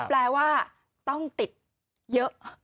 แปลว่าต้องติดเยอะ